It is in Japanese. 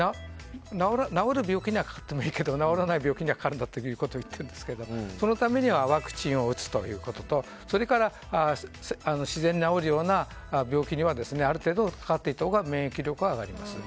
治る病気にはかかっていいけど治らない病気にはかかってはいけないといっているんですがそのためにはワクチンを打つということと自然に治るような病気にはある程度かかっていったほうが免疫力は上がります。